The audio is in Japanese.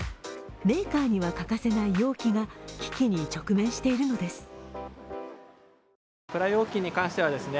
メーカーには欠かせない容器が危機に直面しているのです。